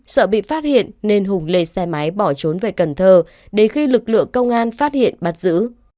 sợ bị phát hiện nên hùng lên xe máy bỏ trốn về cần thơ đến khi lực lượng công an phát hiện bắt giữ